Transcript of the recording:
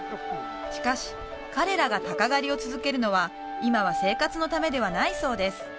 しかし彼らが鷹狩りを続けるのは今は生活のためではないそうです